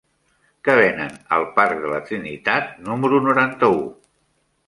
Què venen al parc de la Trinitat número noranta-u?